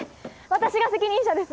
私が責任者です！